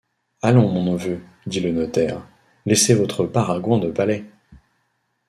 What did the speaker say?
Allons, mon neveu, dit le notaire, laissez votre baragouin de palais.